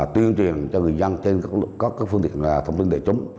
tuyên truyền cho người dân trên các phương tiện thông tin đại chúng